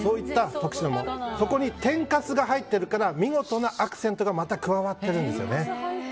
そこに天かすが入ってるから見事なアクセントがまた加わってるんですよね。